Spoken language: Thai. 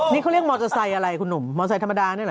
นี่เขาเรียกมอเตอร์ไซ์อะไรหมอไซน์ธรรมดานี่หรอ